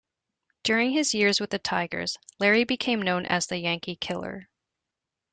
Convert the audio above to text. During his years with the Tigers, Lary became known as "The Yankee Killer.